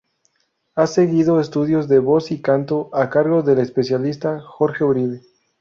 Ha seguido estudios de voz y canto a cargo del especialista Jorge Uribe.